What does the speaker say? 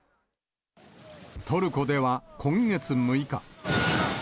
トルコでは今月６日。